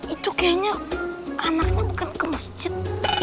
itu kayaknya anaknya bukan ke masjid